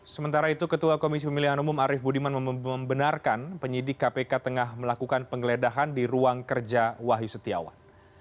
sementara itu ketua komisi pemilihan umum arief budiman membenarkan penyidik kpk tengah melakukan penggeledahan di ruang kerja wahyu setiawan